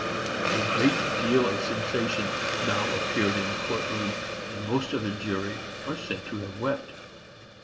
A great deal of sensation now appeared in the court room, and most of the jury are said to have wept.